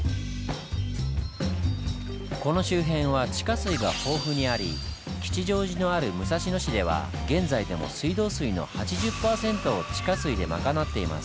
この周辺は地下水が豊富にあり吉祥寺のある武蔵野市では現在でも水道水の８０％を地下水で賄っています。